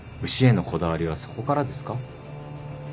牛へのこだわりはそこからですか？